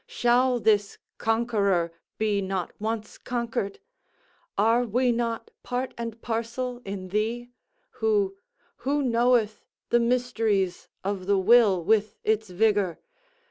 —shall this Conqueror be not once conquered? Are we not part and parcel in Thee? Who—who knoweth the mysteries of the will with its vigor?